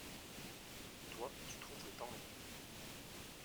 toi, tu trouves le temps long.